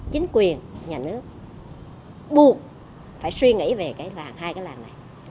chính quyền nhà nước buộc phải suy nghĩ về cái làng hai cái làng này